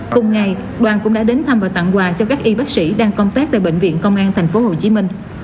cùng ngày đoàn cũng đã đến thăm và tặng quà cho các y bác sĩ đang công tác tại bệnh viện công an tp hcm